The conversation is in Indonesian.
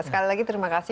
sekali lagi terima kasih